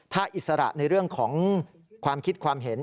ถ้าอิสระในเรื่องของความคิดความเห็น